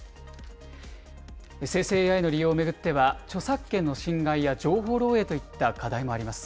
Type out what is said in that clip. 生成ＡＩの利用を巡っては、著作権の侵害や情報漏えいといった課題もあります。